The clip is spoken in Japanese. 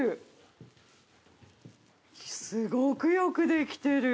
すごくよくできてる。